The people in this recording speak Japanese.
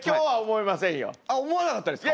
思わなかったですか？